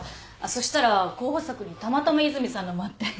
そしたら候補作にたまたま和泉さんのもあって。